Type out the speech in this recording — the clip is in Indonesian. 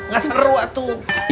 gak seru atuh